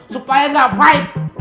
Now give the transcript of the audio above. supaya gak fight